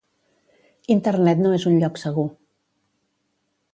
Internet no és un lloc segur.